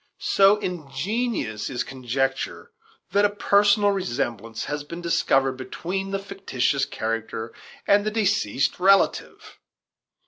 So ingenious is conjecture that a personal resemblance has been discovered between the fictitious character and the deceased relative!